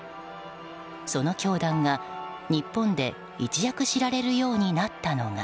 その教団が、日本で一躍知られるようになったのが。